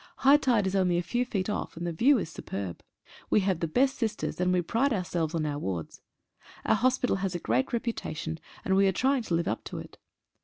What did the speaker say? High tide is only a few feet off, and the view is superb. We have the best sisters, and we pride ourselves on our wards. Our hospital has a great reputation, and we are trying to live up to it.